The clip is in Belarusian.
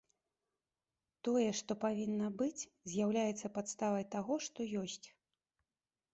Тое, што павінна быць, з'яўляецца падставай таго, што ёсць.